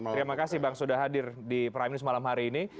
terima kasih bang sudah hadir di prime news malam hari ini